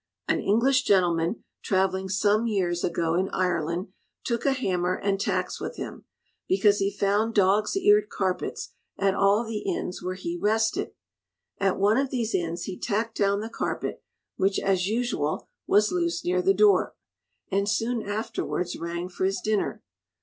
An English gentleman, travelling some years ago in Ireland, took a hammer and tacks with him, because he found dog's eared carpets at all the inns where he rested. At one of these inns he tacked down the carpet, which, as usual, was loose near the door, and soon afterwards rang for his dinner.